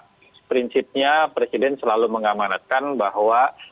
prinsipnya presiden selalu mengamanatkan bahwa